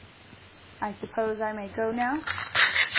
"I suppose I may go now?"